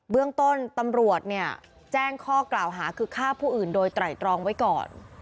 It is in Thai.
เรื่องต้นตำรวจเนี่ยแจ้งข้อกล่าวหาคือฆ่าผู้อื่นโดยไตรตรองไว้ก่อน